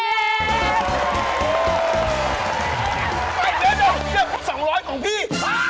เดี๋ยวสองร้อยของพี่